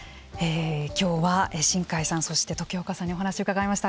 今日は新開さんそして時岡さんにお話を伺いました。